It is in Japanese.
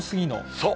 そう。